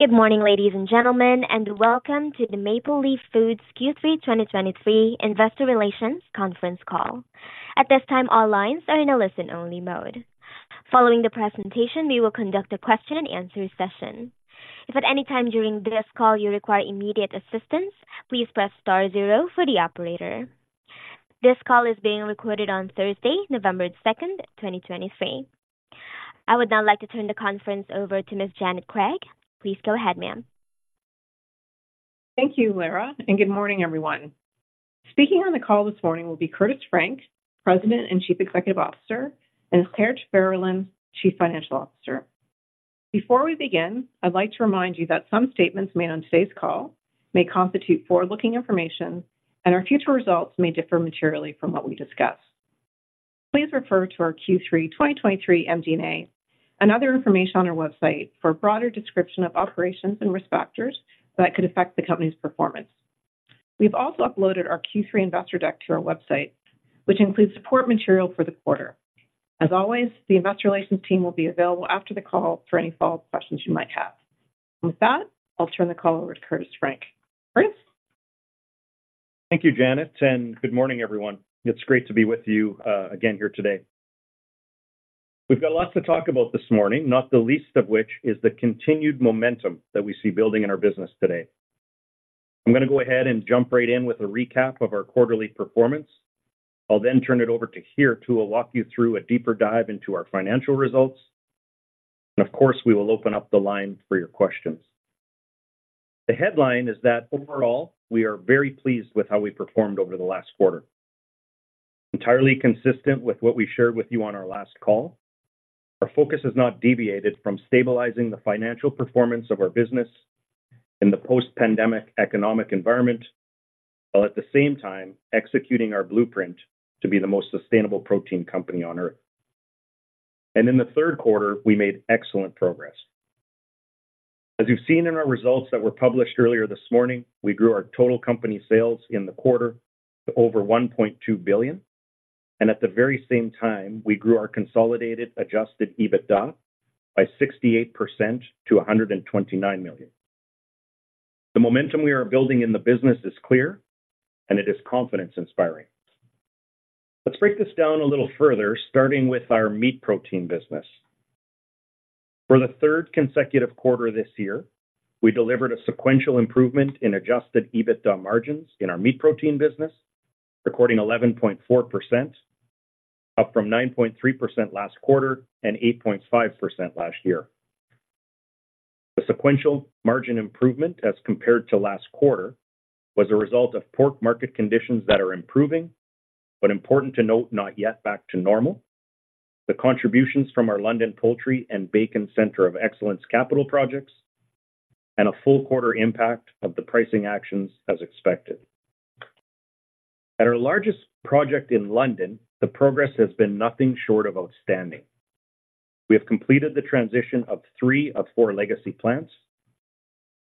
Good morning, ladies and gentlemen, and welcome to the Maple Leaf Foods Q3 2023 Investor Relations Conference Call. At this time, all lines are in a listen-only mode. Following the presentation, we will conduct a question and answer session. If at any time during this call you require immediate assistance, please press star zero for the operator. This call is being recorded on Thursday, November 2, 2023. I would now like to turn the conference over to Ms. Janet Craig. Please go ahead, ma'am. Thank you, Lara, and good morning, everyone. Speaking on the call this morning will be Curtis Frank, President and Chief Executive Officer, and Geert Verellen, Chief Financial Officer. Before we begin, I'd like to remind you that some statements made on today's call may constitute forward-looking information, and our future results may differ materially from what we discuss. Please refer to our Q3 2023 MD&A and other information on our website for a broader description of operations and risk factors that could affect the company's performance. We've also uploaded our Q3 investor deck to our website, which includes support material for the quarter. As always, the investor relations team will be available after the call for any follow-up questions you might have. With that, I'll turn the call over to Curtis Frank. Curtis? Thank you, Janet, and good morning, everyone. It's great to be with you again here today. We've got lots to talk about this morning, not the least of which is the continued momentum that we see building in our business today. I'm gonna go ahead and jump right in with a recap of our quarterly performance. I'll then turn it over to Geert, who will walk you through a deeper dive into our financial results, and of course, we will open up the line for your questions. The headline is that overall, we are very pleased with how we performed over the last quarter. Entirely consistent with what we shared with you on our last call, our focus has not deviated from stabilizing the financial performance of our business in the post-pandemic economic environment, while at the same time executing our blueprint to be the most sustainable protein company on Earth. In the third quarter, we made excellent progress. As you've seen in our results that were published earlier this morning, we grew our total company sales in the quarter to over 1.2 billion, and at the very same time, we grew our consolidated Adjusted EBITDA by 68% to 129 million. The momentum we are building in the business is clear, and it is confidence-inspiring. Let's break this down a little further, starting with our meat protein business. For the third consecutive quarter this year, we delivered a sequential improvement in Adjusted EBITDA margins in our meat protein business, recording 11.4%, up from 9.3% last quarter and 8.5% last year. The sequential margin improvement as compared to last quarter, was a result of pork market conditions that are improving, but important to note, not yet back to normal, the contributions from our London Poultry and Bacon Centre of Excellence capital projects, and a full quarter impact of the pricing actions as expected. At our largest project in London, the progress has been nothing short of outstanding. We have completed the transition of three of four legacy plants.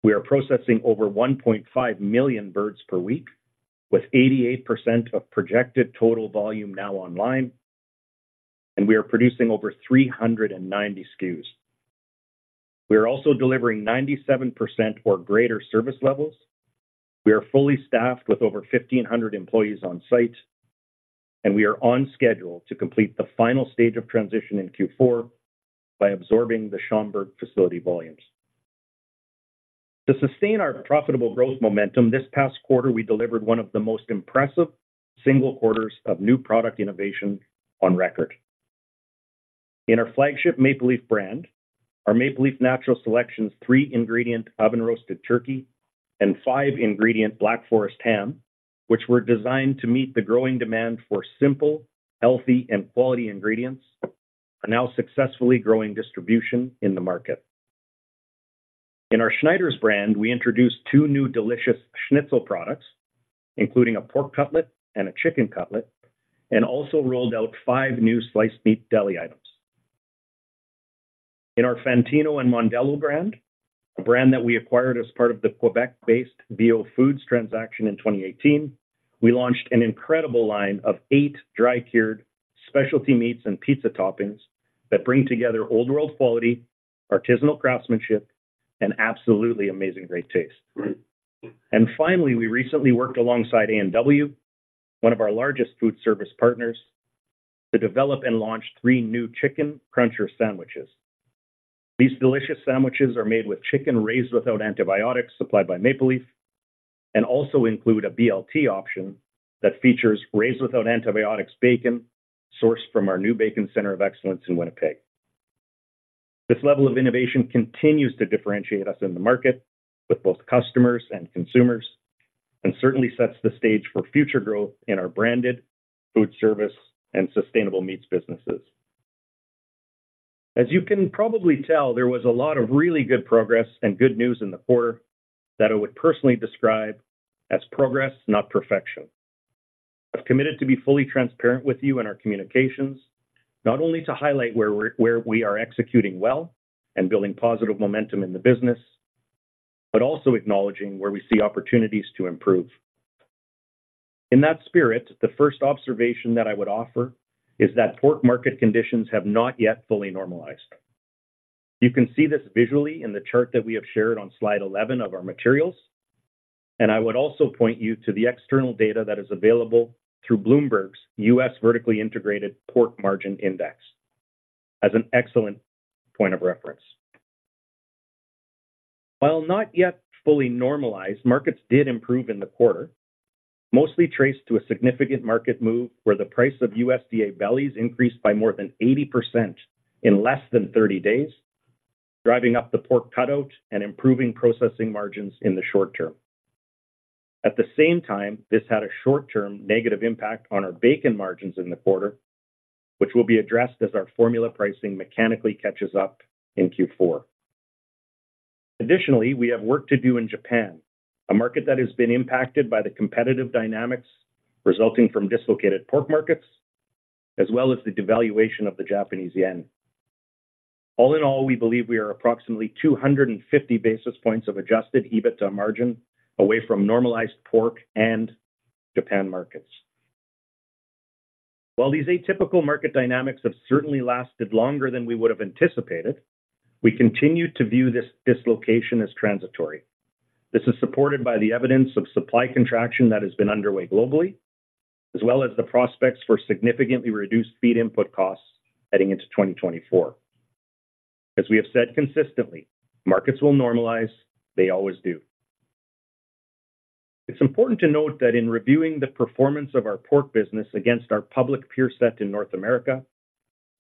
We are processing over 1.5 million birds per week, with 88% of projected total volume now online, and we are producing over 390 SKUs. We are also delivering 97% or greater service levels. We are fully staffed with over 1,500 employees on site, and we are on schedule to complete the final stage of transition in Q4 by absorbing the Schomberg facility volumes. To sustain our profitable growth momentum this past quarter, we delivered one of the most impressive single quarters of new product innovation on record. In our flagship Maple Leaf brand, our Maple Leaf Natural Selections three-ingredient oven-roasted turkey and five-ingredient Black Forest ham, which were designed to meet the growing demand for simple, healthy, and quality ingredients, are now successfully growing distribution in the market. In our Schneiders brand, we introduced two new delicious schnitzel products, including a pork cutlet and a chicken cutlet, and also rolled out five new sliced meat deli items. In our Fantino & Mondello brand, a brand that we acquired as part of the Quebec-based Viau Foods transaction in 2018, we launched an incredible line of eight dry-cured specialty meats and pizza toppings that bring together old-world quality, artisanal craftsmanship, and absolutely amazing great taste. And finally, we recently worked alongside A&W, one of our largest food service partners, to develop and launch three new Chicken Cruncher sandwiches. These delicious sandwiches are made with chicken raised without antibiotics, supplied by Maple Leaf, and also include a BLT option that features raised without antibiotics bacon, sourced from our new Bacon Centre of Excellence in Winnipeg. This level of innovation continues to differentiate us in the market with both customers and consumers, and certainly sets the stage for future growth in our branded food service and sustainable meats businesses. As you can probably tell, there was a lot of really good progress and good news in the quarter that I would personally describe as progress, not perfection. I've committed to be fully transparent with you in our communications, not only to highlight where we are executing well and building positive momentum in the business, but also acknowledging where we see opportunities to improve... In that spirit, the first observation that I would offer is that pork market conditions have not yet fully normalized. You can see this visually in the chart that we have shared on slide 11 of our materials, and I would also point you to the external data that is available through Bloomberg U.S. Vertically Integrated Pork Margin Index as an excellent point of reference. While not yet fully normalized, markets did improve in the quarter, mostly traced to a significant market move, where the price of USDA bellies increased by more than 80% in less than 30 days, driving up the Pork Cutout and improving processing margins in the short term. At the same time, this had a short-term negative impact on our bacon margins in the quarter, which will be addressed as our formula pricing mechanically catches up in Q4. Additionally, we have work to do in Japan, a market that has been impacted by the competitive dynamics resulting from dislocated pork markets, as well as the devaluation of the Japanese yen. All in all, we believe we are approximately 250 basis points of Adjusted EBITDA margin away from normalized pork and Japan markets. While these atypical market dynamics have certainly lasted longer than we would have anticipated, we continue to view this dislocation as transitory. This is supported by the evidence of supply contraction that has been underway globally, as well as the prospects for significantly reduced feed input costs heading into 2024. As we have said consistently, markets will normalize. They always do. It's important to note that in reviewing the performance of our pork business against our public peer set in North America,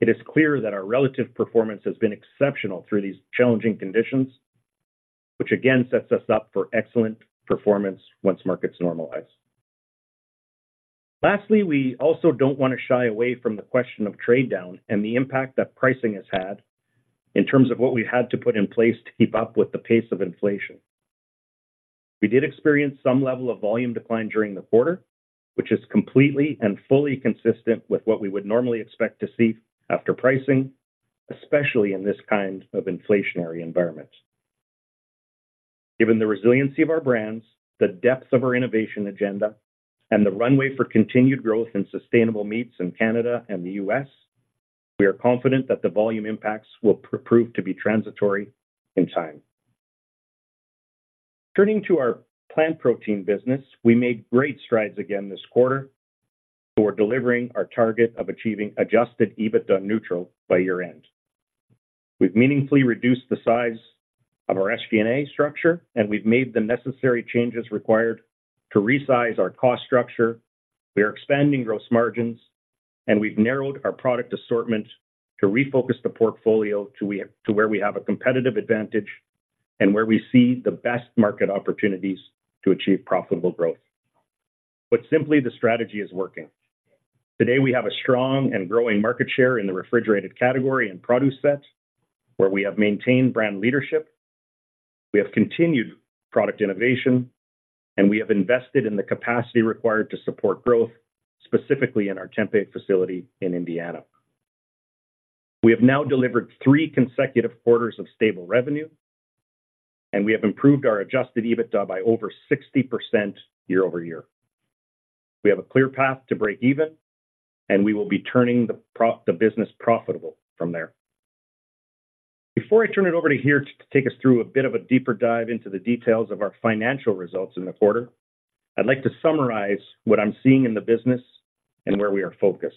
it is clear that our relative performance has been exceptional through these challenging conditions, which again sets us up for excellent performance once markets normalize. Lastly, we also don't want to shy away from the question of trade down and the impact that pricing has had in terms of what we've had to put in place to keep up with the pace of inflation. We did experience some level of volume decline during the quarter, which is completely and fully consistent with what we would normally expect to see after pricing, especially in this kind of inflationary environment. Given the resiliency of our brands, the depth of our innovation agenda, and the runway for continued growth in sustainable meats in Canada and the U.S., we are confident that the volume impacts will prove to be transitory in time. Turning to our plant protein business, we made great strides again this quarter toward delivering our target of achieving Adjusted EBITDA neutral by year-end. We've meaningfully reduced the size of our SG&A structure, and we've made the necessary changes required to resize our cost structure. We are expanding gross margins, and we've narrowed our product assortment to refocus the portfolio to where we have a competitive advantage and where we see the best market opportunities to achieve profitable growth. But simply, the strategy is working. Today, we have a strong and growing market share in the refrigerated category and produce set, where we have maintained brand leadership. We have continued product innovation, and we have invested in the capacity required to support growth, specifically in our tempeh facility in Indiana. We have now delivered three consecutive quarters of stable revenue, and we have improved our adjusted EBITDA by over 60% year-over-year. We have a clear path to break even, and we will be turning the business profitable from there. Before I turn it over to Geert to take us through a bit of a deeper dive into the details of our financial results in the quarter, I'd like to summarize what I'm seeing in the business and where we are focused.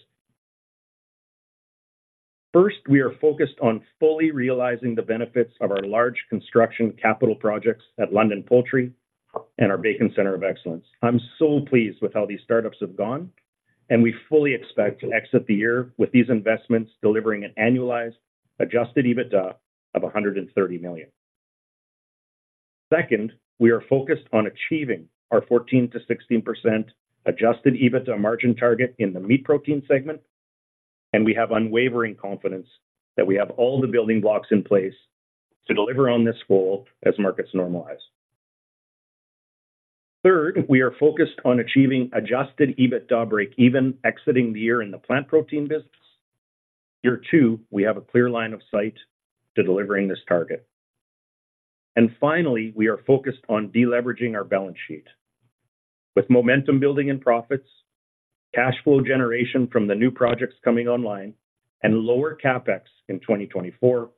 First, we are focused on fully realizing the benefits of our large construction capital projects at London Poultry and our Bacon Centre of Excellence. I'm so pleased with how these startups have gone, and we fully expect to exit the year with these investments, delivering an annualized adjusted EBITDA of 130 million. Second, we are focused on achieving our 14%-16% adjusted EBITDA margin target in the meat protein segment, and we have unwavering confidence that we have all the building blocks in place to deliver on this goal as markets normalize. Third, we are focused on achieving Adjusted EBITDA break-even, exiting the year in the plant protein business. Year two, we have a clear line of sight to delivering this target. And finally, we are focused on de-leveraging our balance sheet. With momentum building in profits, cash flow generation from the new projects coming online, and lower CapEx in 2024,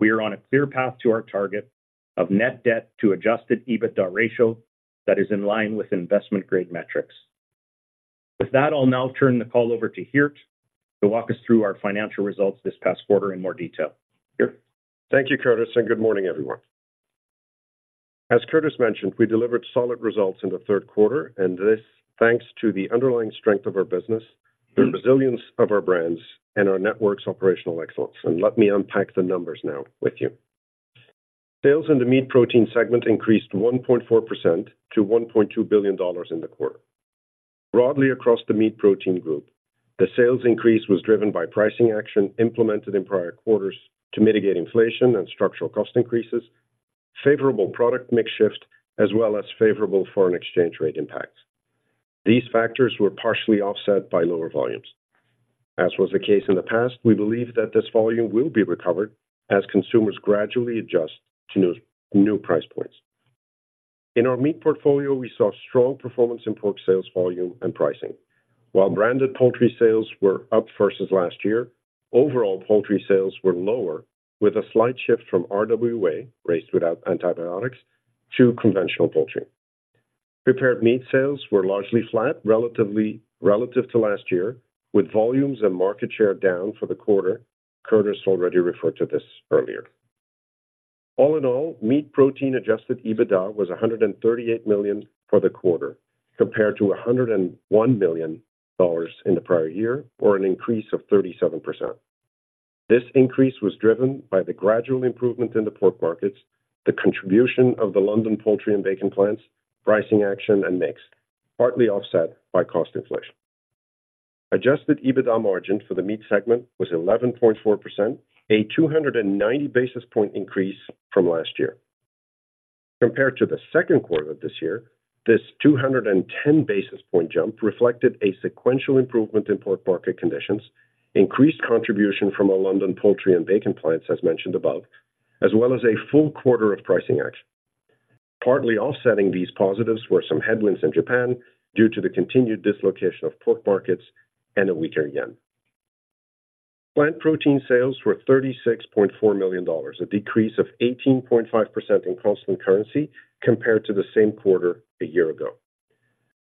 we are on a clear path to our target of net debt to Adjusted EBITDA ratio that is in line with investment-grade metrics. With that, I'll now turn the call over to Geert to walk us through our financial results this past quarter in more detail. Geert? Thank you, Curtis, and good morning, everyone. As Curtis mentioned, we delivered solid results in the third quarter, and this thanks to the underlying strength of our business, the resilience of our brands, and our network's operational excellence. Let me unpack the numbers now with you. Sales in the meat protein segment increased 1.4% to 1.2 billion dollars in the quarter. Broadly across the meat protein group, the sales increase was driven by pricing action implemented in prior quarters to mitigate inflation and structural cost increases, favorable product mix shift, as well as favorable foreign exchange rate impacts. These factors were partially offset by lower volumes. As was the case in the past, we believe that this volume will be recovered as consumers gradually adjust to new, new price points. In our meat portfolio, we saw strong performance in pork sales volume and pricing. While branded poultry sales were up versus last year, overall poultry sales were lower, with a slight shift from RWA, Raised Without Antibiotics, to conventional poultry. Prepared meat sales were largely flat, relative to last year, with volumes and market share down for the quarter. Curtis already referred to this earlier. All in all, meat protein Adjusted EBITDA was 138 million for the quarter, compared to 101 million dollars in the prior year, or an increase of 37%. This increase was driven by the gradual improvement in the pork markets, the contribution of the London poultry and bacon plants, pricing action and mix, partly offset by cost inflation. Adjusted EBITDA margin for the meat segment was 11.4%, a 290 basis point increase from last year. Compared to the second quarter of this year, this 210 basis point jump reflected a sequential improvement in pork market conditions, increased contribution from our London poultry and bacon plants, as mentioned above, as well as a full quarter of pricing action. Partly offsetting these positives were some headwinds in Japan due to the continued dislocation of pork markets and a weaker yen. Plant protein sales were 36.4 million dollars, a decrease of 18.5% in constant currency compared to the same quarter a year ago.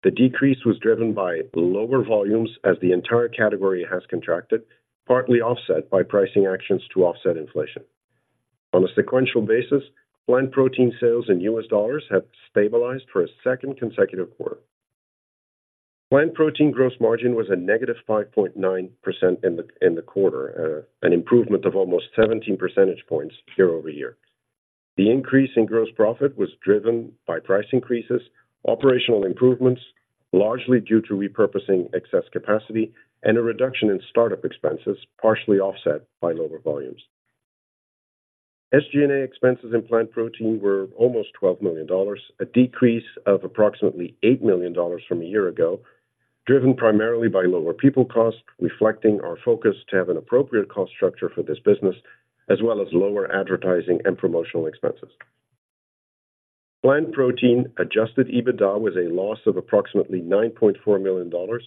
The decrease was driven by lower volumes as the entire category has contracted, partly offset by pricing actions to offset inflation. On a sequential basis, plant protein sales in U.S. dollars have stabilized for a second consecutive quarter. Plant protein gross margin was a negative 5.9% in the quarter, an improvement of almost 17 percentage points year-over-year. The increase in gross profit was driven by price increases, operational improvements, largely due to repurposing excess capacity, and a reduction in start-up expenses, partially offset by lower volumes. SG&A expenses in plant protein were almost 12 million dollars, a decrease of approximately 8 million dollars from a year ago, driven primarily by lower people costs, reflecting our focus to have an appropriate cost structure for this business, as well as lower advertising and promotional expenses. Plant protein adjusted EBITDA was a loss of approximately 9.4 million dollars,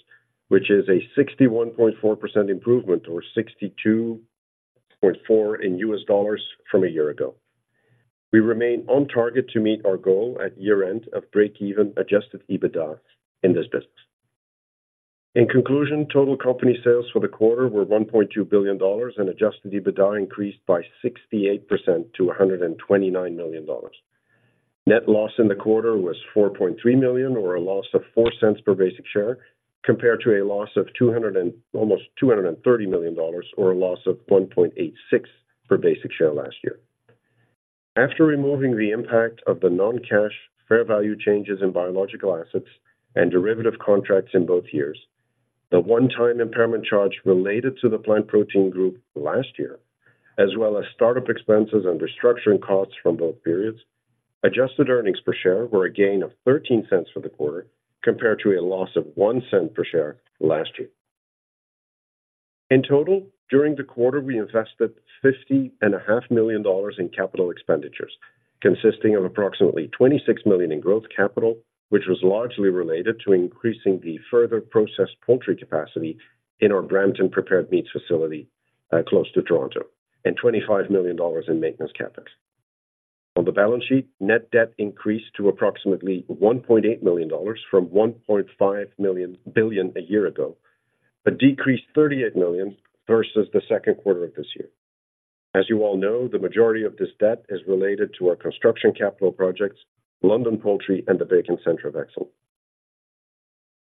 which is a 61.4% improvement, or 62.4 in US dollars from a year ago. We remain on target to meet our goal at year-end of break-even Adjusted EBITDA in this business. In conclusion, total company sales for the quarter were 1.2 billion dollars, and Adjusted EBITDA increased by 68% to 129 million dollars. Net loss in the quarter was 4.3 million, or a loss of 0.04 per basic share, compared to a loss of 230 million dollars, or a loss of 1.86 per basic share last year. After removing the impact of the non-cash fair value changes in biological assets and derivative contracts in both years, the one-time impairment charge related to the plant protein group last year, as well as start-up expenses and restructuring costs from both periods, adjusted earnings per share were a gain of 13 cents for the quarter, compared to a loss of 1 cent per share last year. In total, during the quarter, we invested 50.5 million dollars in capital expenditures, consisting of approximately 26 million in growth capital, which was largely related to increasing the further processed poultry capacity in our Brampton prepared meats facility, close to Toronto, and 25 million dollars in maintenance CapEx. On the balance sheet, net debt increased to approximately 1.8 billion dollars from 1.5 billion a year ago, a decrease $38 million versus the second quarter of this year. As you all know, the majority of this debt is related to our construction capital projects, London Poultry and the Bacon Centre of Excellence.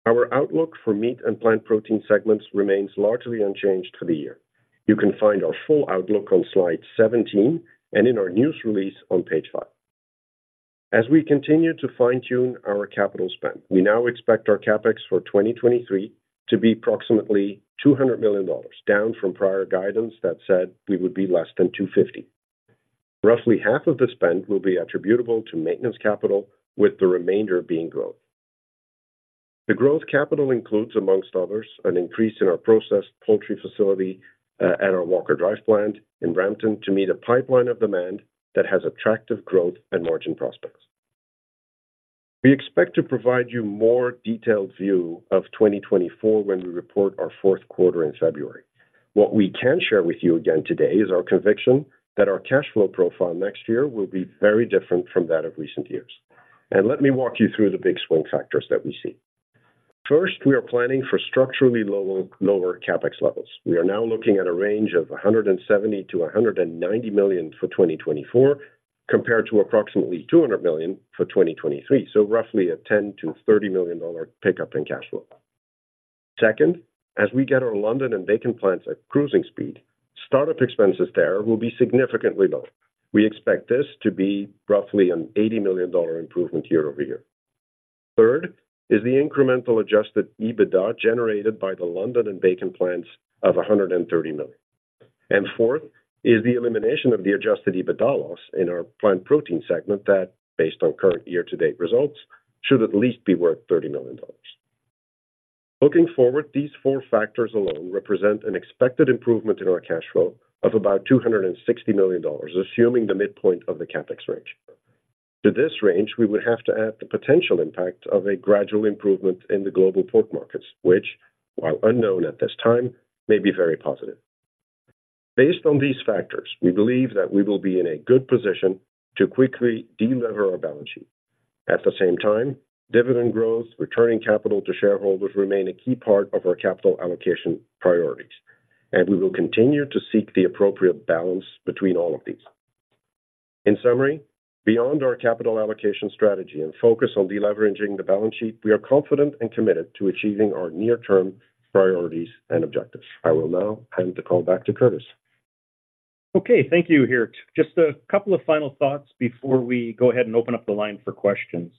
Our outlook for meat and plant protein segments remains largely unchanged for the year. You can find our full outlook on slide 17 and in our news release on page 5. As we continue to fine-tune our capital spend, we now expect our CapEx for 2023 to be approximately 200 million dollars, down from prior guidance that said we would be less than 250. Roughly half of the spend will be attributable to maintenance capital, with the remainder being growth. The growth capital includes, amongst others, an increase in our processed poultry facility at our Walker Drive plant in Brampton to meet a pipeline of demand that has attractive growth and margin prospects. We expect to provide you more detailed view of 2024 when we report our fourth quarter in February. What we can share with you again today is our conviction that our cash flow profile next year will be very different from that of recent years. And let me walk you through the big swing factors that we see. First, we are planning for structurally lower CapEx levels. We are now looking at a range of 170 million-190 million for 2024, compared to approximately 200 million for 2023, so roughly a 10 million-30 million dollar pickup in cash flow. Second, as we get our London and bacon plants at cruising speed, start-up expenses there will be significantly lower. We expect this to be roughly a 80 million dollar improvement year-over-year. Third is the incremental adjusted EBITDA generated by the London and bacon plants of 130 million. And fourth is the elimination of the adjusted EBITDA loss in our plant protein segment that, based on current year-to-date results, should at least be worth 30 million dollars. Looking forward, these four factors alone represent an expected improvement in our cash flow of about 260 million dollars, assuming the midpoint of the CapEx range. To this range, we would have to add the potential impact of a gradual improvement in the global pork markets, which, while unknown at this time, may be very positive. Based on these factors, we believe that we will be in a good position to quickly delever our balance sheet. At the same time, dividend growth, returning capital to shareholders remain a key part of our capital allocation priorities, and we will continue to seek the appropriate balance between all of these. In summary, beyond our capital allocation strategy and focus on deleveraging the balance sheet, we are confident and committed to achieving our near-term priorities and objectives. I will now hand the call back to Curtis. Okay, thank you, Geert. Just a couple of final thoughts before we go ahead and open up the line for questions.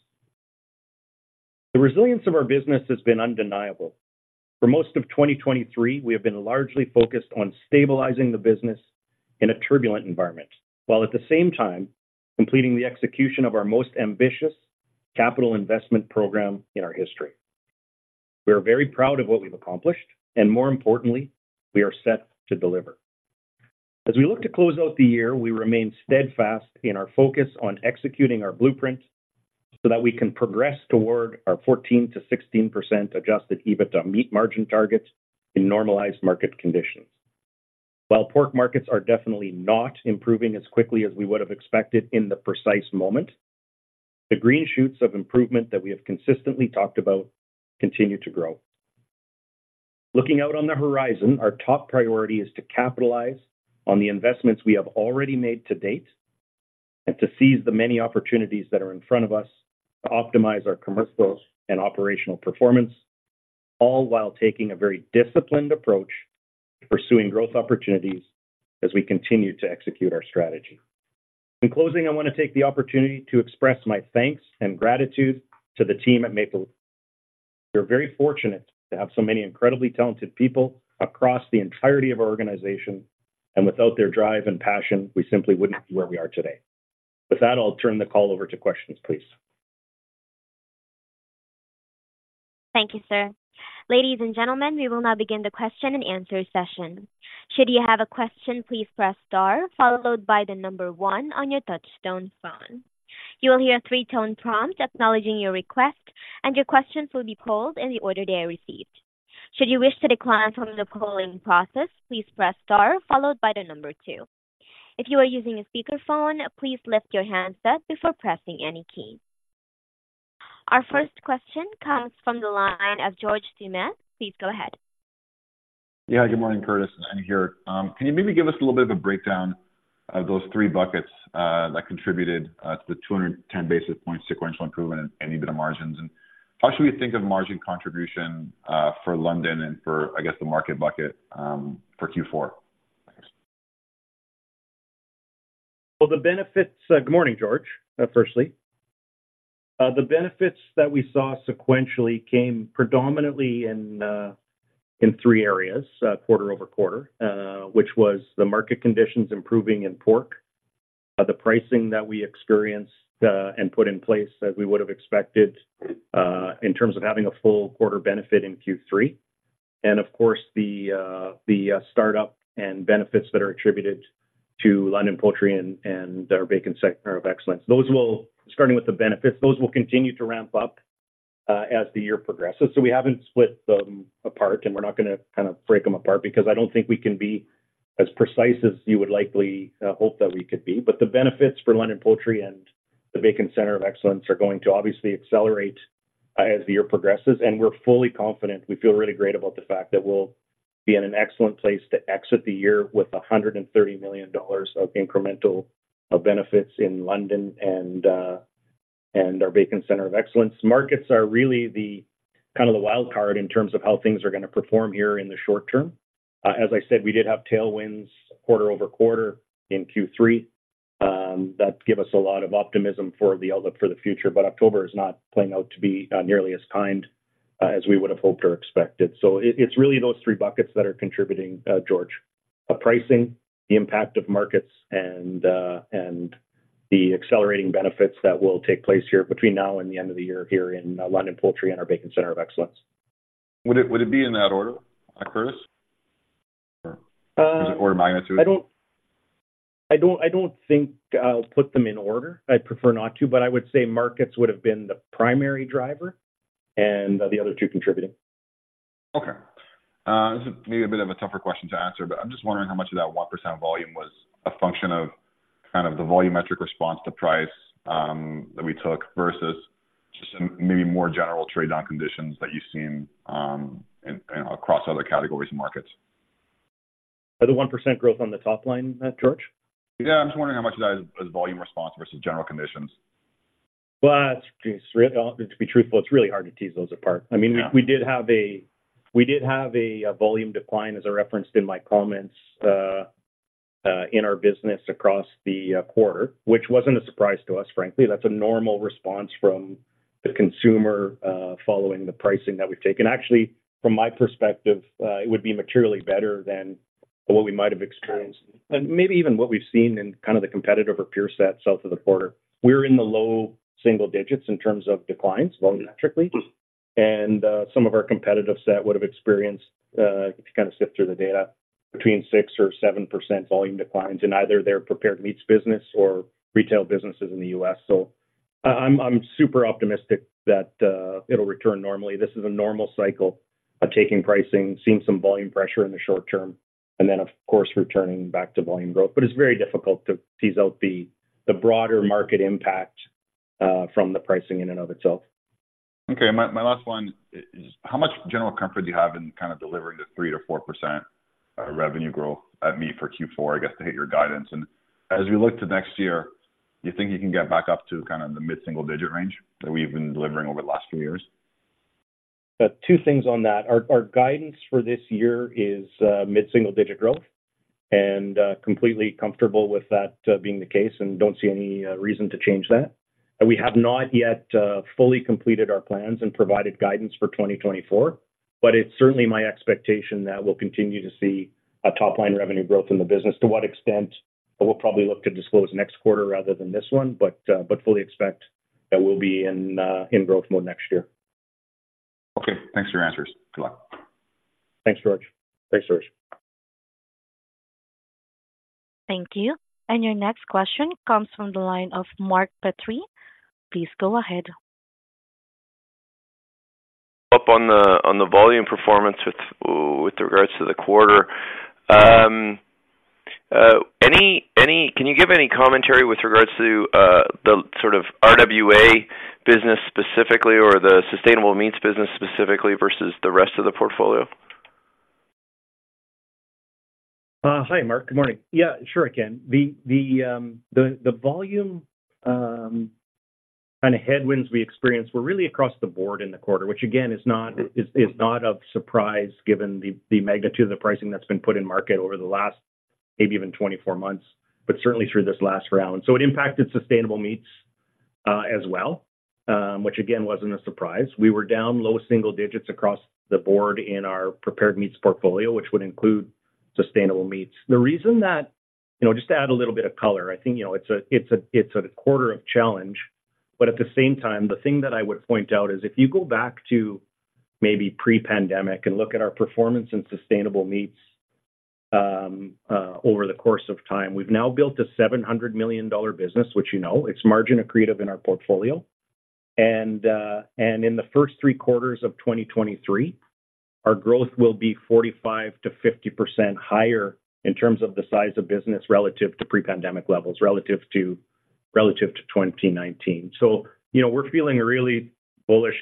The resilience of our business has been undeniable. For most of 2023, we have been largely focused on stabilizing the business in a turbulent environment, while at the same time completing the execution of our most ambitious capital investment program in our history. We are very proud of what we've accomplished, and more importantly, we are set to deliver. As we look to close out the year, we remain steadfast in our focus on executing our blueprint so that we can progress toward our 14%-16% Adjusted EBITDA margin in normalized market conditions. While pork markets are definitely not improving as quickly as we would have expected in the precise moment, the green shoots of improvement that we have consistently talked about continue to grow. Looking out on the horizon, our top priority is to capitalize on the investments we have already made to date, and to seize the many opportunities that are in front of us to optimize our commercial and operational performance, all while taking a very disciplined approach to pursuing growth opportunities as we continue to execute our strategy. In closing, I want to take the opportunity to express my thanks and gratitude to the team at Maple Leaf. We're very fortunate to have so many incredibly talented people across the entirety of our organization, and without their drive and passion, we simply wouldn't be where we are today. With that, I'll turn the call over to questions, please. Thank you, sir. Ladies and gentlemen, we will now begin the question and answer session. Should you have a question, please press star followed by the number one on your touchtone phone. You will hear a three-tone prompt acknowledging your request, and your questions will be polled in the order they are received. Should you wish to decline from the polling process, please press star followed by the number two. If you are using a speakerphone, please lift your handset before pressing any key. Our first question comes from the line of George Doumet. Please go ahead. Yeah, good morning, Curtis and Geert. Can you maybe give us a little bit of a breakdown of those three buckets that contributed to the 210 basis points sequential improvement in EBITDA margins? And how should we think of margin contribution for London and for, I guess, the market bucket for Q4? Thanks. Well, the benefits... good morning, George, firstly. The benefits that we saw sequentially came predominantly in three areas, quarter-over-quarter, which was the market conditions improving in pork, the pricing that we experienced, and put in place as we would have expected, in terms of having a full quarter benefit in Q3. And of course, the startup and benefits that are attributed to London Poultry and our Bacon Centre of Excellence. Those will, starting with the benefits, those will continue to ramp up as the year progresses. So we haven't split them apart, and we're not gonna kind of break them apart because I don't think we can be as precise as you would likely hope that we could be. But the benefits for London Poultry and the Bacon Centre of Excellence are going to obviously accelerate as the year progresses, and we're fully confident. We feel really great about the fact that we'll be in an excellent place to exit the year with 130 million dollars of incremental benefits in London and our Bacon Centre of Excellence. Markets are really the kind of the wild card in terms of how things are gonna perform here in the short term. As I said, we did have tailwinds quarter-over-quarter in Q3 that give us a lot of optimism for the outlook for the future, but October is not playing out to be nearly as kind as we would have hoped or expected. So it's really those three buckets that are contributing, George. The pricing, the impact of markets, and the accelerating benefits that will take place here between now and the end of the year here in London Poultry and our Bacon Centre of Excellence. Would it be in that order, Curtis? Or is it order of magnitude? I don't think I'll put them in order. I'd prefer not to, but I would say markets would have been the primary driver and the other two contributing. Okay, this is maybe a bit of a tougher question to answer, but I'm just wondering how much of that 1% volume was a function of kind of the volumetric response to price that we took, versus just maybe more general trade-down conditions that you've seen in across other categories and markets. The 1% growth on the top line, George? Yeah, I'm just wondering how much of that is volume response versus general conditions? Well, to be truthful, it's really hard to tease those apart. Yeah. I mean, we did have a volume decline, as I referenced in my comments, in our business across the quarter, which wasn't a surprise to us, frankly. That's a normal response from the consumer, following the pricing that we've taken. Actually, from my perspective, it would be materially better than what we might have experienced, and maybe even what we've seen in kind of the competitive or peer set south of the border. We're in the low single digits in terms of declines, volumetrically, and some of our competitive set would have experienced, if you kind of sift through the data, between 6 or 7% volume declines in either their prepared meats business or retail businesses in the U.S. So I'm super optimistic that it'll return normally. This is a normal cycle of taking pricing, seeing some volume pressure in the short term, and then, of course, returning back to volume growth. But it's very difficult to tease out the broader market impact from the pricing in and of itself. Okay, my, my last one is: how much general comfort do you have in kind of delivering the 3%-4% revenue growth at meat for Q4, I guess, to hit your guidance? And as we look to next year, do you think you can get back up to kind of the mid-single-digit range that we've been delivering over the last few years? Two things on that. Our, our guidance for this year is mid-single-digit growth, and completely comfortable with that being the case, and don't see any reason to change that. We have not yet fully completed our plans and provided guidance for 2024, but it's certainly my expectation that we'll continue to see a top-line revenue growth in the business. To what extent? We'll probably look to disclose next quarter rather than this one, but, but fully expect that we'll be in, in growth mode next year. Okay, thanks for your answers. Good luck. Thanks, George. Thanks, George. Thank you. Your next question comes from the line of Mark Petrie. Please go ahead. Up on the volume performance with regards to the quarter, can you give any commentary with regards to the sort of RWA business specifically, or the sustainable meats business specifically, versus the rest of the portfolio? Hi, Mark. Good morning. Yeah, sure I can. The volume kind of headwinds we experienced were really across the board in the quarter, which, again, is not of surprise given the magnitude of the pricing that's been put in market over the last maybe even 24 months, but certainly through this last round. So it impacted sustainable meats as well, which, again, wasn't a surprise. We were down low single digits across the board in our prepared meats portfolio, which would include sustainable meats. The reason that... You know, just to add a little bit of color, I think, you know, it's a quarter of challenge, but at the same time, the thing that I would point out is if you go back to maybe pre-pandemic and look at our performance in sustainable meats, over the course of time, we've now built a 700 million dollar business, which, you know, it's margin accretive in our portfolio. And, in the first three quarters of 2023, our growth will be 45%-50% higher in terms of the size of business relative to pre-pandemic levels, relative to 2019. So you know, we're feeling really bullish,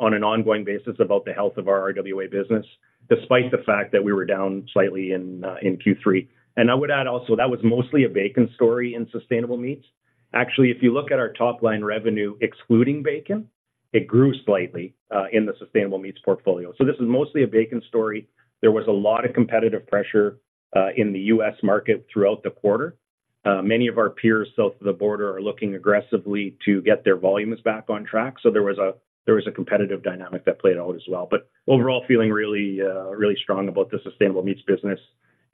on an ongoing basis about the health of our RWA business, despite the fact that we were down slightly in Q3. I would add also, that was mostly a bacon story in sustainable meats. Actually, if you look at our top-line revenue, excluding bacon, it grew slightly in the sustainable meats portfolio. So this is mostly a bacon story. There was a lot of competitive pressure in the U.S. market throughout the quarter. Many of our peers south of the border are looking aggressively to get their volumes back on track, so there was a competitive dynamic that played out as well. But overall, feeling really, really strong about the sustainable meats business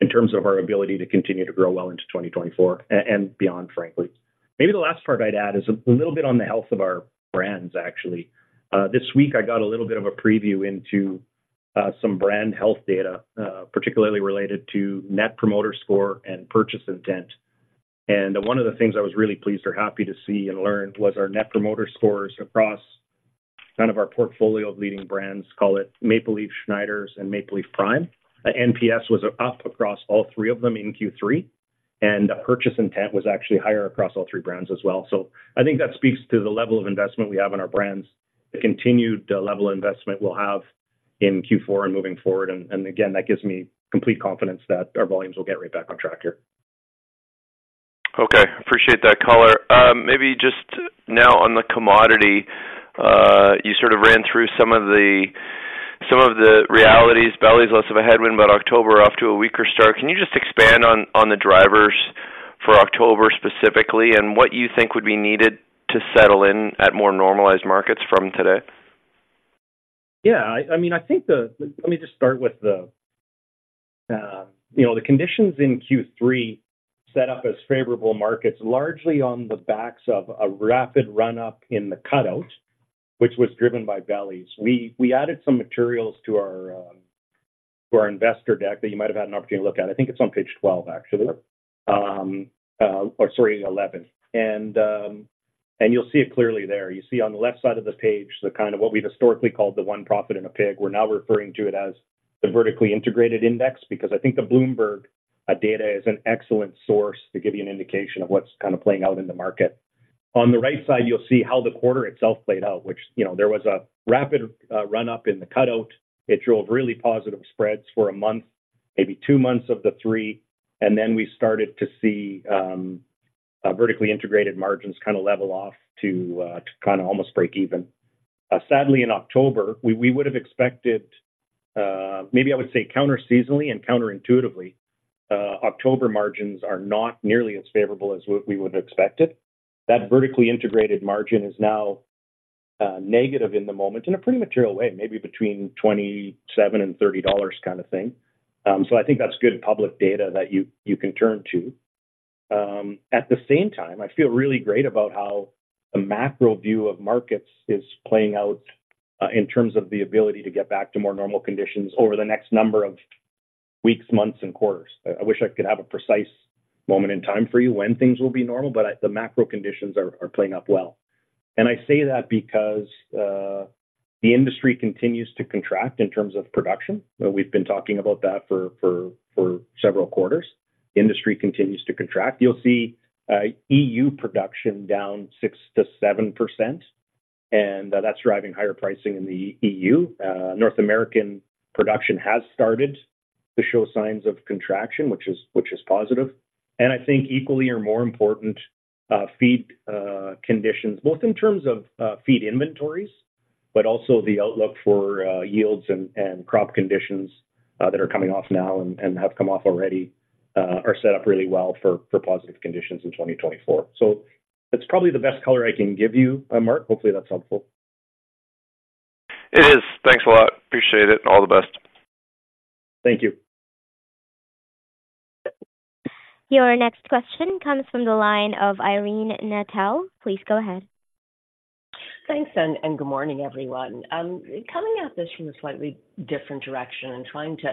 in terms of our ability to continue to grow well into 2024 and beyond, frankly. Maybe the last part I'd add is a little bit on the health of our brands, actually. This week I got a little bit of a preview into, some brand health data, particularly related to Net Promoter Score and purchase intent. One of the things I was really pleased or happy to see and learn, was our Net Promoter Scores across kind of our portfolio of leading brands, call it Maple Leaf, Schneiders, and Maple Leaf Prime. NPS was up across all three of them in Q3, and purchase intent was actually higher across all three brands as well. So I think that speaks to the level of investment we have in our brands, the continued, level of investment we'll have in Q4 and moving forward. And again, that gives me complete confidence that our volumes will get right back on track here. Okay, appreciate that color. Maybe just now on the commodity, you sort of ran through some of the, some of the realities. Bellies, less of a headwind, but October off to a weaker start. Can you just expand on the drivers for October specifically, and what you think would be needed to settle in at more normalized markets from today? run-up in the Cutout, which was driven by Bellies. Let me just start with the, you know, the conditions in Q3 set up as favorable markets, largely on the backs of a rapid run-up in the Cutout, which was driven by Bellies. We added some materials to our investor deck that you might have had an opportunity to look at. I think it's on page 12, actually, or sorry, 11. And you'll see it clearly there. You see on the left side of the page the kind of what we've historically called the one profit in a pig. We're now referring to it as the vertically integrated index, because I think the Bloomberg data is an excellent source to give you an indication of what's kind of playing out in the market. On the right side, you'll see how the quarter itself played out, which, you know, there was a rapid, run-up in the cutout. It drove really positive spreads for a month, maybe two months of the three, and then we started to see, vertically integrated margins kind of level off to, to kind of almost break even. Sadly, in October, we would have expected, maybe I would say counter seasonally and counterintuitively, October margins are not nearly as favorable as what we would have expected. That vertically integrated margin is now, negative in the moment in a pretty material way, maybe between $27-$30 kind of thing. So I think that's good public data that you can turn to. At the same time, I feel really great about how the macro view of markets is playing out in terms of the ability to get back to more normal conditions over the next number of weeks, months, and quarters. I wish I could have a precise moment in time for you when things will be normal, but the macro conditions are playing out well. And I say that because the industry continues to contract in terms of production. We've been talking about that for several quarters. Industry continues to contract. You'll see EU production down 6%-7%, and that's driving higher pricing in the EU. North American production has started to show signs of contraction, which is positive, and I think equally or more important, feed conditions, both in terms of feed inventories, but also the outlook for yields and crop conditions that are coming off now and have come off already, are set up really well for positive conditions in 2024. So that's probably the best color I can give you, Mark. Hopefully, that's helpful. It is. Thanks a lot. Appreciate it. All the best. Thank you. Your next question comes from the line of Irene Nattel. Please go ahead. Thanks, and good morning, everyone. Coming at this from a slightly different direction and trying to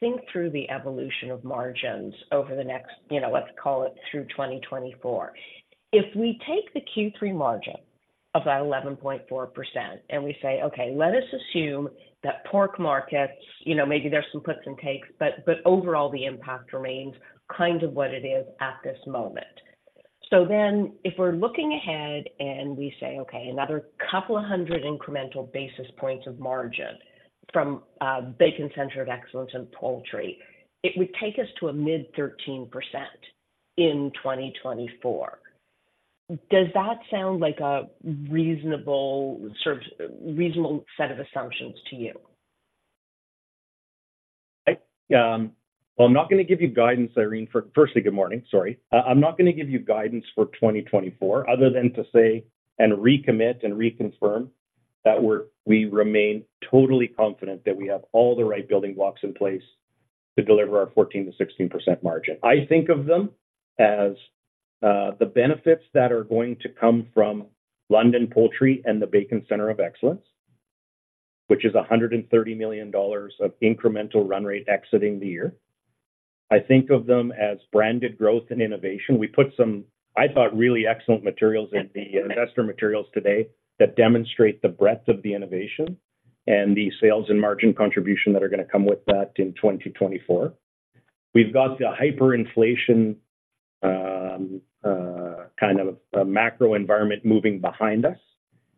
think through the evolution of margins over the next, you know, let's call it through 2024. If we take the Q3 margin of about 11.4%, and we say, okay, let us assume that pork markets, you know, maybe there's some puts and takes, but overall, the impact remains kind of what it is at this moment. So then, if we're looking ahead and we say, okay, another couple of hundred incremental basis points of margin from Bacon Centre of Excellence and poultry, it would take us to a mid-13% in 2024. Does that sound like a reasonable, sort of reasonable set of assumptions to you? Well, I'm not going to give you guidance, Irene. Firstly, good morning, sorry. I'm not going to give you guidance for 2024 other than to say and recommit and reconfirm that we're we remain totally confident that we have all the right building blocks in place to deliver our 14%-16% margin. I think of them as the benefits that are going to come from London Poultry and the Bacon Centre of Excellence, which is 130 million dollars of incremental run rate exiting the year. I think of them as branded growth and innovation. We put some, I thought, really excellent materials in the investor materials today that demonstrate the breadth of the innovation and the sales and margin contribution that are going to come with that in 2024. We've got the hyperinflation, kind of a macro environment moving behind us,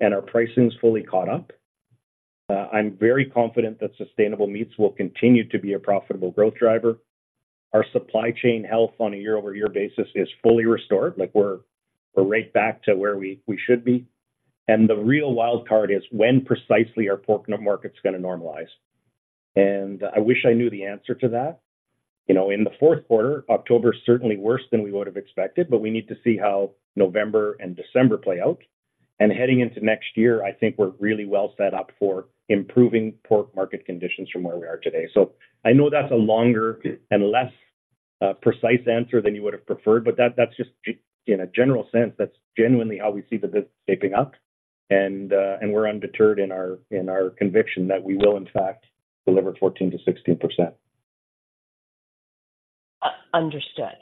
and our pricing is fully caught up. I'm very confident that sustainable meats will continue to be a profitable growth driver. Our supply chain health on a year-over-year basis is fully restored. Like, we're right back to where we should be, and the real wild card is when precisely our pork market is going to normalize. I wish I knew the answer to that. You know, in the fourth quarter, October, certainly worse than we would have expected, but we need to see how November and December play out. Heading into next year, I think we're really well set up for improving pork market conditions from where we are today. So I know that's a longer and less precise answer than you would have preferred, but that's just in a general sense, that's genuinely how we see the business shaping up, and we're undeterred in our conviction that we will, in fact, deliver 14%-16%. Understood.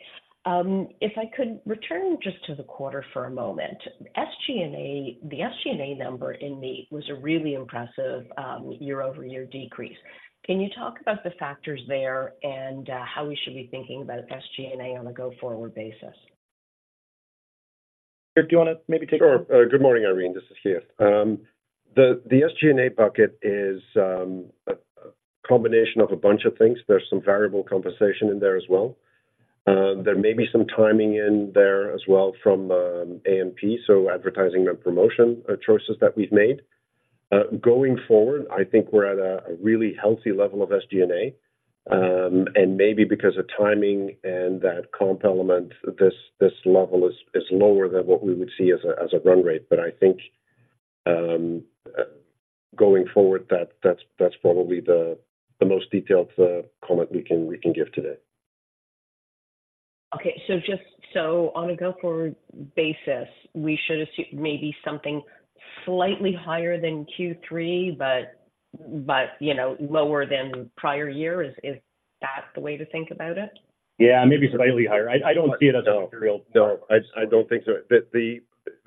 If I could return just to the quarter for a moment. SG&A, the SG&A number in meat was a really impressive year-over-year decrease. Can you talk about the factors there and how we should be thinking about SG&A on a go-forward basis? Do you want to maybe take...? Sure. Good morning, Irene, this is Geert. The SG&A bucket is a combination of a bunch of things. There's some variable compensation in there as well. There may be some timing in there as well from A&P, so advertising and promotion choices that we've made. Going forward, I think we're at a really healthy level of SG&A, and maybe because of timing and that comp element, this level is lower than what we would see as a run rate. But I think, going forward, that's probably the most detailed comment we can give today. Okay, so on a go-forward basis, we should assume maybe something slightly higher than Q3, but, you know, lower than prior year. Is that the way to think about it? Yeah, maybe slightly higher. I don't see it as a material- No, I don't think so. But the...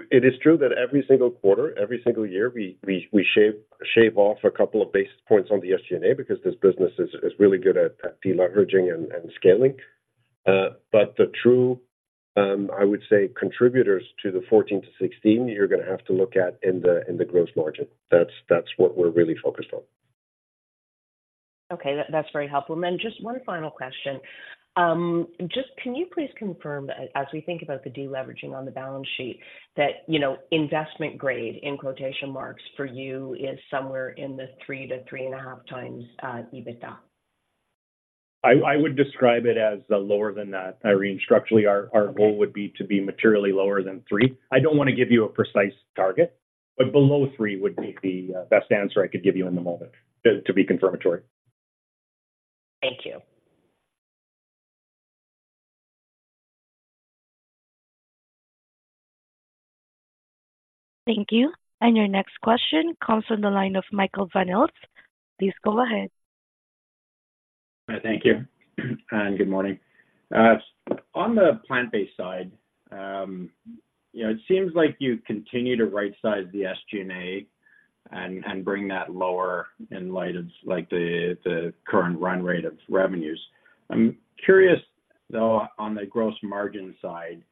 It is true that every single quarter, every single year, we shave off a couple of basis points on the SG&A because this business is really good at deleveraging and scaling. But the true, I would say, contributors to the 14-16, you're going to have to look at in the gross margin. That's what we're really focused on.... Okay, that, that's very helpful. And then just one final question. Just can you please confirm that as we think about the deleveraging on the balance sheet, that, you know, "investment grade," in quotation marks for you, is somewhere in the 3-3.5 times EBITDA? I would describe it as lower than that, Irene. Structurally, our goal would be to be materially lower than three. I don't want to give you a precise target, but below three would be the best answer I could give you in the moment to be confirmatory. Thank you. Thank you. And your next question comes from the line of Michael Van Aelst. Please go ahead. Thank you, and good morning. On the plant-based side, you know, it seems like you continue to rightsize the SG&A and bring that lower in light of, like, the current run rate of revenues. I'm curious, though, on the gross margin side,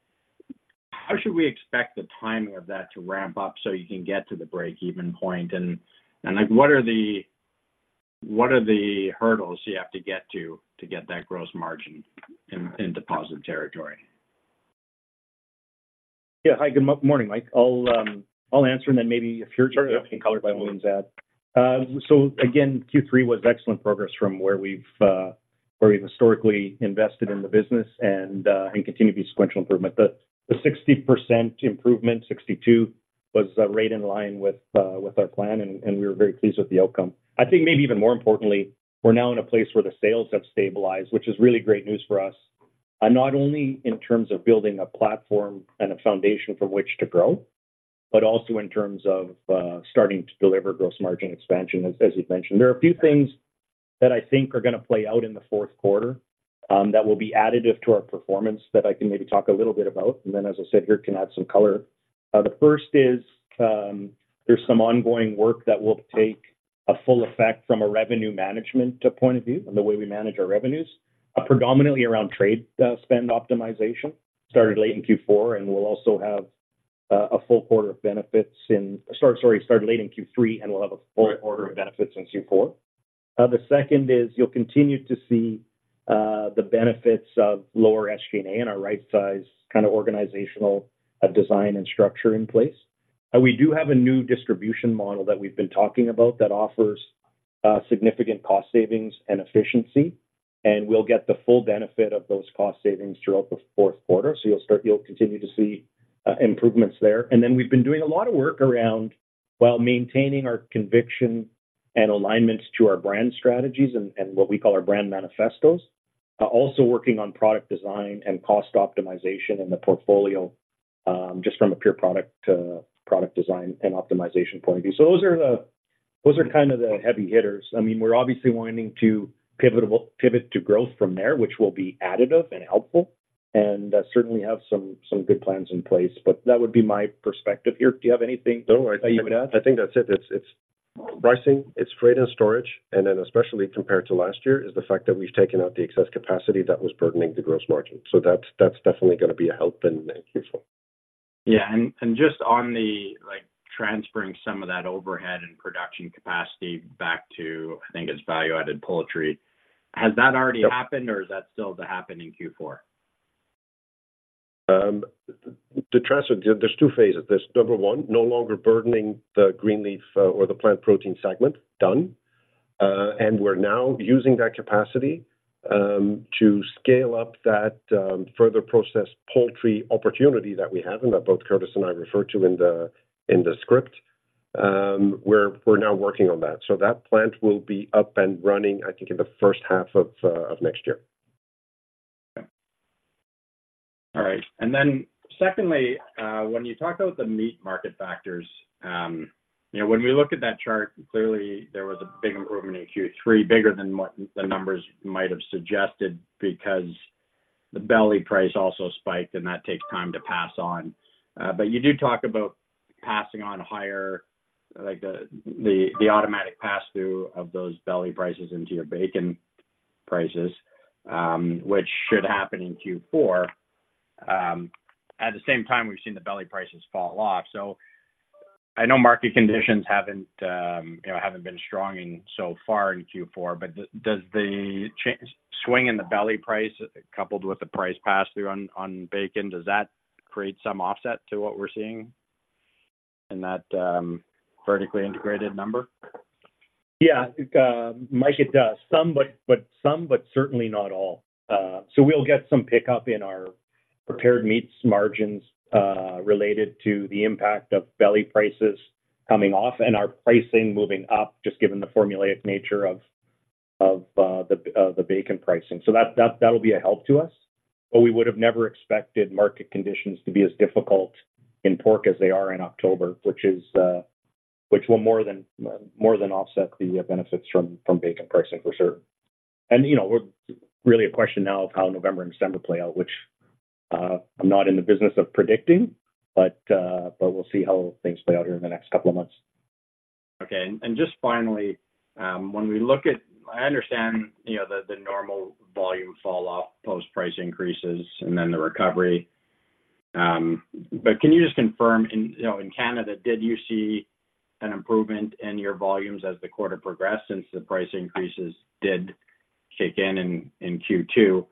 how should we expect the timing of that to ramp up so you can get to the break-even point? And, like, what are the hurdles you have to get to, to get that gross margin in positive territory? Yeah. Hi, good morning, Mike. I'll answer and then maybe if you can color my words a bit. So again, Q3 was excellent progress from where we've historically invested in the business and continue to be sequential improvement. The 60% improvement, 62, was right in line with our plan, and we were very pleased with the outcome. I think maybe even more importantly, we're now in a place where the sales have stabilized, which is really great news for us. Not only in terms of building a platform and a foundation from which to grow, but also in terms of starting to deliver gross margin expansion, as you've mentioned. There are a few things that I think are gonna play out in the fourth quarter that will be additive to our performance that I can maybe talk a little bit about, and then, as I said, Geert can add some color. The first is, there's some ongoing work that will take a full effect from a revenue management point of view, and the way we manage our revenues, predominantly around trade spend optimization started late in Q3, and we'll have a full quarter of benefits in Q4. The second is you'll continue to see the benefits of lower SG&A and our right size kind of organizational design and structure in place. We do have a new distribution model that we've been talking about that offers significant cost savings and efficiency, and we'll get the full benefit of those cost savings throughout the fourth quarter. You'll continue to see improvements there. Then we've been doing a lot of work around while maintaining our conviction and alignments to our brand strategies and what we call our brand manifestos. Also working on product design and cost optimization in the portfolio, just from a pure product design and optimization point of view. Those are kind of the heavy hitters. I mean, we're obviously wanting to pivot to growth from there, which will be additive and helpful, and certainly have some good plans in place. That would be my perspective here. Do you have anything, Geert, that you would add? I think that's it. It's, it's pricing, it's freight and storage, and then especially compared to last year, is the fact that we've taken out the excess capacity that was burdening the gross margin. So that's, that's definitely gonna be a help in Q4. Yeah. And just on the, like, transferring some of that overhead and production capacity back to, I think, it's value-added poultry, has that already happened or is that still to happen in Q4? The transfer, there's two phases. There's number one, no longer burdening the Maple Leaf, or the plant protein segment, done. And we're now using that capacity, to scale up that, further processed poultry opportunity that we have and that both Curtis and I referred to in the, in the script. We're, we're now working on that. So that plant will be up and running, I think, in the first half of, of next year. All right. And then secondly, when you talk about the meat market factors, you know, when we look at that chart, clearly there was a big improvement in Q3, bigger than what the numbers might have suggested, because the belly price also spiked, and that takes time to pass on. But you do talk about passing on higher, like the, the, the automatic pass-through of those belly prices into your bacon prices, which should happen in Q4. At the same time, we've seen the belly prices fall off. So I know market conditions haven't, you know, haven't been strong in so far in Q4, but does the swing in the belly price, coupled with the price pass-through on, on bacon, does that create some offset to what we're seeing in that, vertically integrated number? Yeah, Mike, it does. Some, but certainly not all. So we'll get some pickup in our prepared meats margins related to the impact of belly prices coming off and our pricing moving up, just given the formulaic nature of the bacon pricing. So that'll be a help to us, but we would have never expected market conditions to be as difficult in pork as they are in October, which will more than offset the benefits from bacon pricing, for sure. And, you know, we're really a question now of how November and December play out, which I'm not in the business of predicting, but we'll see how things play out here in the next couple of months. Okay. And just finally, when we look at... I understand, you know, the normal volume fall off post-price increases and then the recovery. But can you just confirm, you know, in Canada, did you see an improvement in your volumes as the quarter progressed since the price increases did kick in in Q2?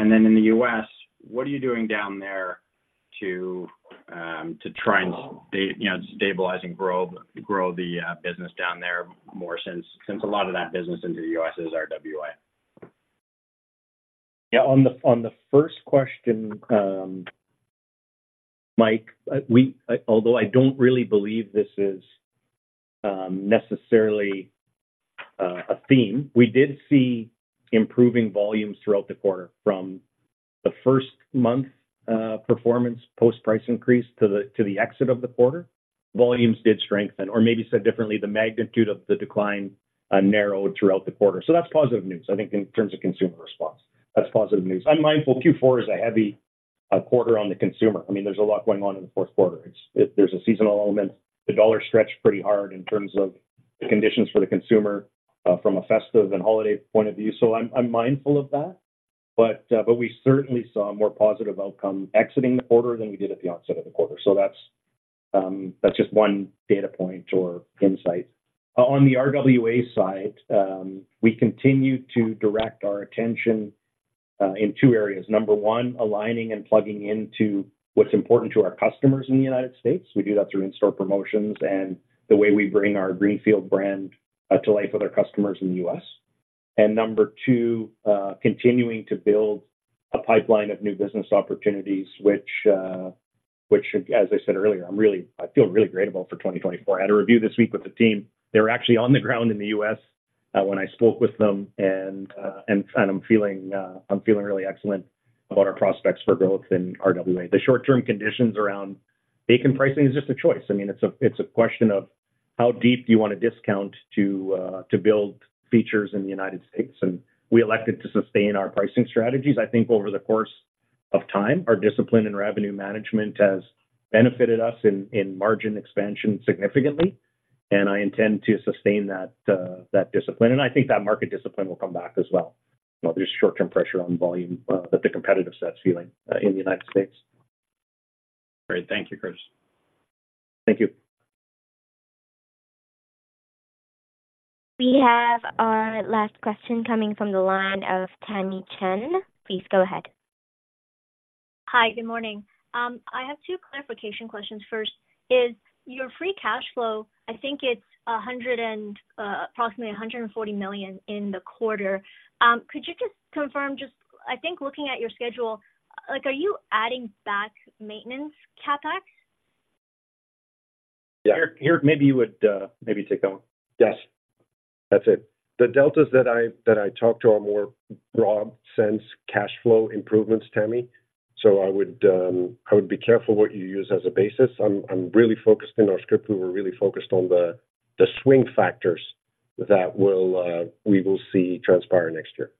And then in the US, what are you doing down there to try and you know, stabilize and grow the business down there more since a lot of that business in the US is RWA? Yeah. On the, on the first question, Mike, although I don't really believe this is necessarily a theme, we did see improving volumes throughout the quarter from the first month performance, post-price increase to the exit of the quarter. Volumes did strengthen, or maybe said differently, the magnitude of the decline narrowed throughout the quarter. So that's positive news. I think in terms of consumer response, that's positive news. I'm mindful Q4 is a heavy quarter on the consumer. I mean, there's a lot going on in the fourth quarter. It's, there's a seasonal element. The dollar stretched pretty hard in terms of the conditions for the consumer, from a festive and holiday point of view. So I'm mindful of that, but we certainly saw a more positive outcome exiting the quarter than we did at the onset of the quarter. So that's just one data point or insight. On the RWA side, we continue to direct our attention in two areas. Number 1, aligning and plugging into what's important to our customers in the United States. We do that through in-store promotions and the way we bring our Greenfield brand to life with our customers in the US. And Number 2, continuing to build a pipeline of new business opportunities, which, as I said earlier, I'm really. I feel really great about for 2024. I had a review this week with the team. They were actually on the ground in the U.S., when I spoke with them, and, and I'm feeling, I'm feeling really excellent about our prospects for growth in RWA. The short-term conditions around bacon pricing is just a choice. I mean, it's a, it's a question of how deep do you want to discount to, to build features in the United States? And we elected to sustain our pricing strategies. I think over the course of time, our discipline and revenue management has benefited us in, in margin expansion significantly, and I intend to sustain that, that discipline, and I think that market discipline will come back as well. There's short-term pressure on volume, that the competitive set is feeling, in the United States. Great. Thank you, Curtis. Thank you. We have our last question coming from the line of Tamy Chen. Please go ahead. Hi, good morning. I have two clarification questions. First, is your free cash flow, I think it's approximately 140 million in the quarter. Could you just confirm? I think looking at your schedule, like, are you adding back maintenance CapEx? Yeah. Here, here, maybe you would, maybe take that one. Yes, that's it. The deltas that I talked to are more broad sense cash flow improvements, Tamy. So I would be careful what you use as a basis. I'm really focused in our script. We were really focused on the swing factors that we will see transpire next year.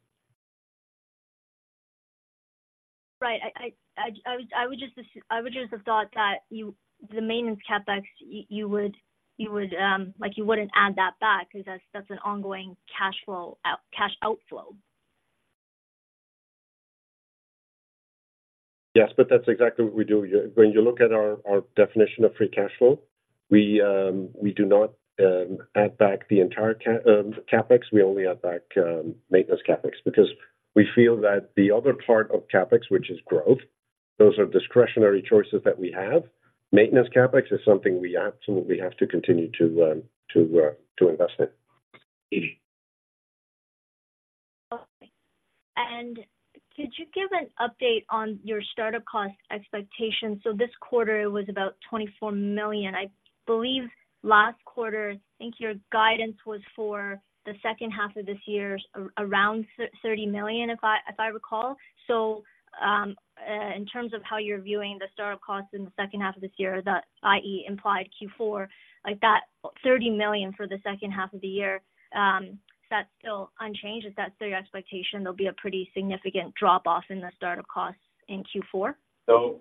Right. I would just have thought that you, the maintenance CapEx, you would, like, you wouldn't add that back because that's an ongoing cash outflow. Yes, but that's exactly what we do. When you look at our definition of free cash flow, we do not add back the entire CapEx. We only add back maintenance CapEx, because we feel that the other part of CapEx, which is growth, those are discretionary choices that we have. Maintenance CapEx is something we absolutely have to continue to invest in. Okay. And could you give an update on your startup cost expectations? So this quarter was about 24 million. I believe last quarter, I think your guidance was for the second half of this year, around 30 million, if I recall. So, in terms of how you're viewing the startup costs in the second half of this year, i.e., implied Q4, like that 30 million for the second half of the year, is that still unchanged? Is that still your expectation there'll be a pretty significant drop off in the startup costs in Q4? So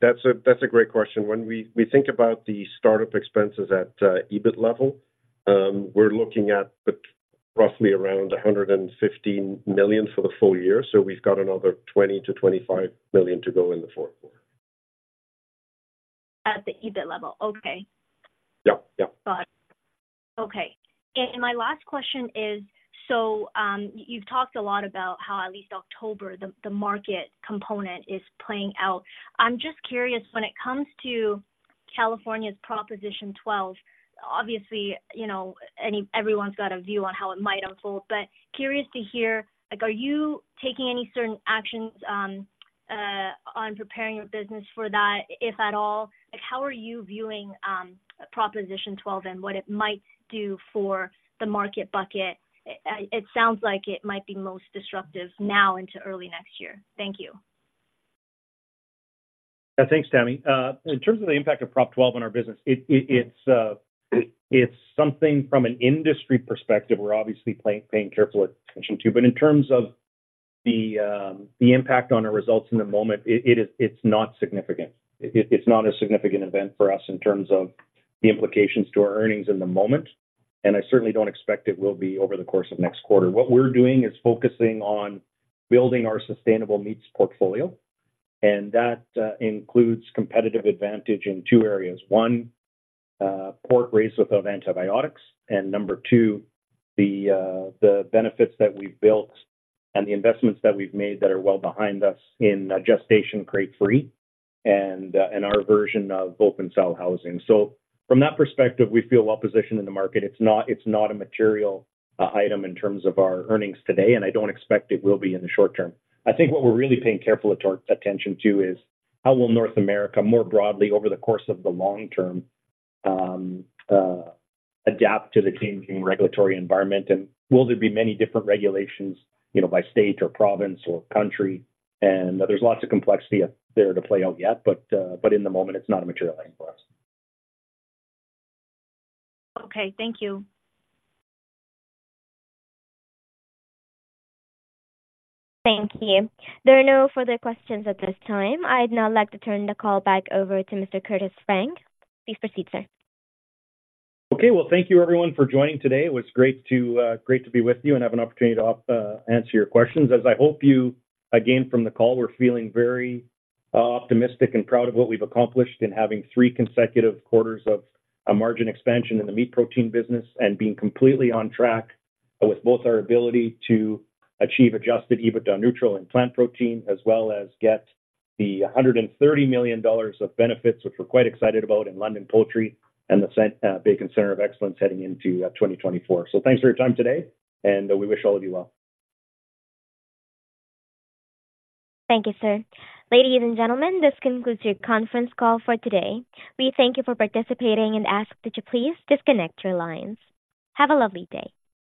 that's a great question. When we think about the startup expenses at EBIT level, we're looking at roughly around 115 million for the full year, so we've got another 20-25 million to go in the fourth quarter. At the EBIT level. Okay. Yep, yep. Got it. Okay, and my last question is: so, you've talked a lot about how at least October, the market component is playing out. I'm just curious, when it comes to California's Proposition 12, obviously, you know, any everyone's got a view on how it might unfold, but curious to hear, like, are you taking any certain actions on, on preparing your business for that, if at all? Like, how are you viewing, Proposition 12 and what it might do for the market bucket? It sounds like it might be most disruptive now into early next year. Thank you. Yeah. Thanks, Tamy. In terms of the impact of Proposition 12 on our business, it's something from an industry perspective, we're obviously paying careful attention to. But in terms of the impact on our results in the moment, it's not significant. It's not a significant event for us in terms of the implications to our earnings in the moment.... I certainly don't expect it will be over the course of next quarter. What we're doing is focusing on building our sustainable meats portfolio, and that includes competitive advantage in two areas. One, pork raised without antibiotics, and number two, the benefits that we've built and the investments that we've made that are well behind us in Gestation Crate Free and our version of Open Sow Housing. So from that perspective, we feel well positioned in the market. It's not, it's not a material item in terms of our earnings today, and I don't expect it will be in the short term. I think what we're really paying careful attention to is how will North America, more broadly, over the course of the long term, adapt to the changing regulatory environment? And will there be many different regulations, you know, by state or province or country? And there's lots of complexity there to play out yet, but, but in the moment, it's not a material thing for us. Okay. Thank you. Thank you. There are no further questions at this time. I'd now like to turn the call back over to Mr. Curtis Frank. Please proceed, sir. Okay. Well, thank you, everyone, for joining today. It was great to, great to be with you and have an opportunity to, answer your questions. As I hope you, again, from the call, we're feeling very, optimistic and proud of what we've accomplished in having three consecutive quarters of a margin expansion in the meat protein business and being completely on track with both our ability to achieve Adjusted EBITDA neutral in plant protein, as well as get the 130 million dollars of benefits, which we're quite excited about in London Poultry and the Centre of Excellence heading into, 2024. So thanks for your time today, and we wish all of you well. Thank you, sir. Ladies and gentlemen, this concludes your conference call for today. We thank you for participating and ask that you please disconnect your lines. Have a lovely day.